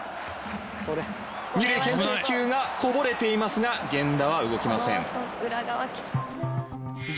二塁牽制球がこぼれていますが源田は動きません。